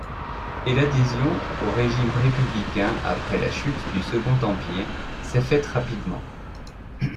Et l'adhésion au régime républicain après la chute du Second empire s'est faite rapidement.